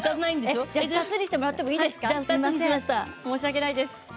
申し訳ないです。